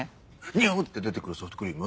ニュって出てくるソフトクリーム？